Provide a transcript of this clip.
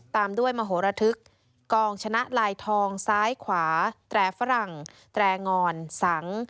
ตามด้วยมโหระทึกกองชนะลายทองซ้ายขวาแตรฝรั่งแตรงอนสัง